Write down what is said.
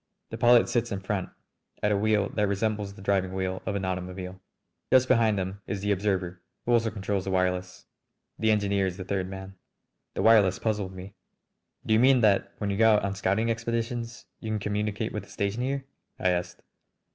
The pilot sits in front at a wheel that resembles the driving wheel of an automobile. Just behind him is the observer, who also controls the wireless. The engineer is the third man. The wireless puzzled me. "Do you mean that when you go out on scouting expeditions you can communicate with the station here?" I asked.